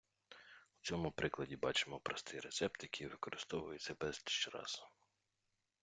У цьому прикладі бачимо простий рецепт, який використовується безліч раз.